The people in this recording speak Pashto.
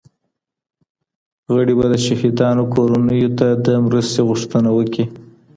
غړي به د شهيدانو کورنيو ته د مرستي غوښتنه وکړي.